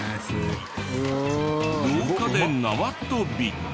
廊下で縄跳び。